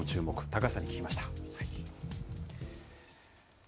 高橋さんに聞きました。